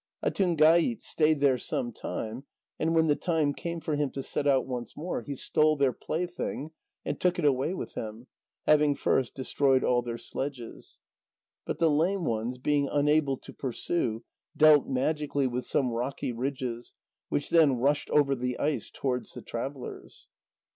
Atungait stayed there some time, and when the time came for him to set out once more, he stole their plaything and took it away with him, having first destroyed all their sledges. But the lame ones, being unable to pursue, dealt magically with some rocky ridges, which then rushed over the ice towards the travellers.